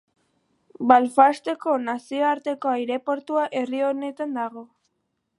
Belfasteko Nazioarteko aireportua herri honetan dago.